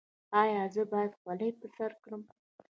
ایا زه باید خولۍ په سر کړم؟